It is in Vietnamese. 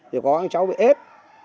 rồi có con chó bị ết